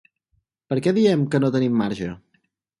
Per què diem que no tenim marge?